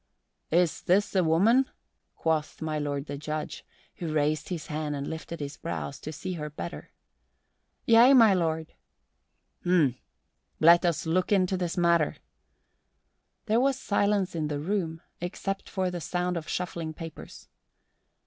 "Is this the woman?" quoth my Lord the Judge, who raised his head and lifted his brows to see her the better. "Yea, my lord." "Hm! Let us look into this matter!" There was silence in the room except for the sound of shuffling papers.